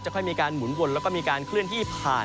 ค่อยมีการหมุนวนแล้วก็มีการเคลื่อนที่ผ่าน